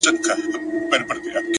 عاجز انسان ډېر محبوب وي.